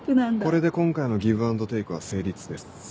これで今回のギブアンドテイクは成立です。